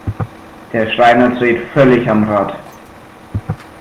Der Schreiner dreht völlig am Rad.